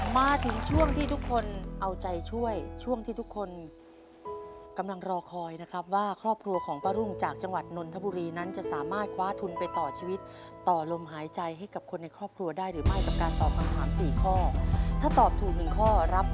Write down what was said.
มาถึงช่วงที่ทุกคนเอาใจช่วยช่วงที่ทุกคนกำลังรอคอยนะครับว่าครอบครัวของป้ารุ่งจากจังหวัดนนทบุรีนั้นจะสามารถคว้าทุนไปต่อชีวิตต่อลมหายใจให้กับคนในครอบครัวได้หรือไม่กับการตอบคำถามสี่ข้อถ้าตอบถูกหนึ่งข้อรับ